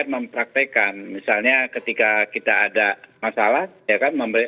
mempraktekan misalnya ketika kita ada masalah ya kan